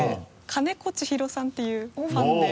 金子千尋さんっていうファンで。